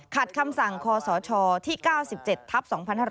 ขัดคำสั่งขอสชที่๙๗ทัพ๒๕๕๗